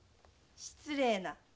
失礼な。